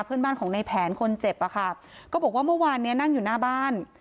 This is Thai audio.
เพื่อนบ้านของในแผนคนเจ็บอะค่ะก็บอกว่าเมื่อวานเนี้ยนั่งอยู่หน้าบ้าน